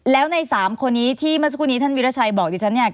แล้วใน๓คนนี้ที่เมื่อสักครู่นี้ท่านวิราชัยบอกดิฉันเนี่ย